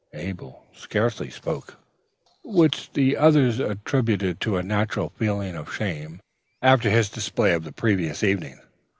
Abel scarcely spoke, which the others attributed to a natural feeling of shame, after his display of the previous evening.